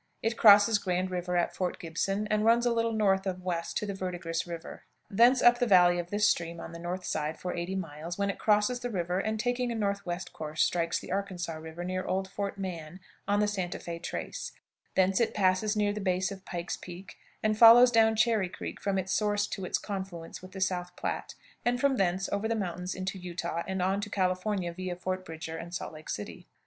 It crosses Grand River at Fort Gibson, and runs a little north of west to the Verdigris River, thence up the valley of this stream on the north side for 80 miles, when it crosses the river, and, taking a northwest course, strikes the Arkansas River near old Fort Mann, on the Santa Fé trace; thence it passes near the base of Pike's Peak, and follows down Cherry Creek from its source to its confluence with the South Platte, and from thence over the mountains into Utah, and on to California via Fort Bridger and Salt Lake City.